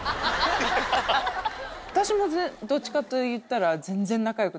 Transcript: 私もどっちかっていったら全然。